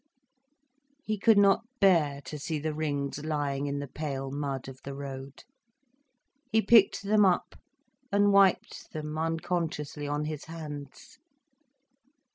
He could not bear to see the rings lying in the pale mud of the road. He picked them up, and wiped them unconsciously on his hands.